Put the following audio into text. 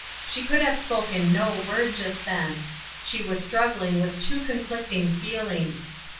She could have spoken no word just then. She was struggling with two conflicting feelings.